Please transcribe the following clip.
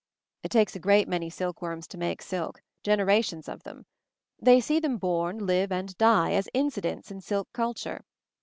_ "It takes a great many silk worms to make ' silk, generations of them. They see them horn, live and die, as incidents in silk cul ture.